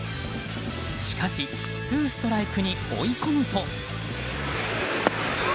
しかしツーストライクに追い込むと。